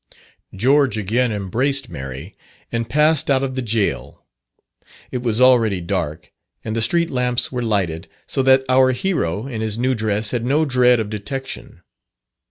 George again embraced Mary, and passed out of the gaol. It was already dark and the street lamps were lighted, so that our hero in his new dress had no dread of detection.